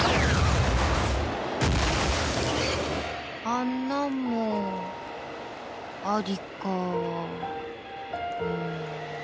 あんなんもありか。